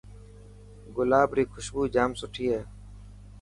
گلاب ري خوشبو ڄام سٺي هي.